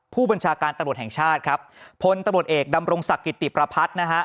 ผู้บัญชาการตำรวจแห่งชาติครับพลตำรวจเอกดำรงศักดิ์กิติประพัฒน์นะฮะ